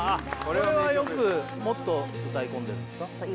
これはよくもっと歌い込んでるんですか？